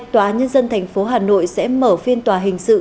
tòa nhân dân tp hà nội sẽ mở phiên tòa hình sự